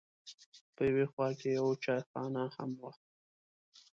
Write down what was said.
په یوه خوا کې یوه چایخانه هم وه.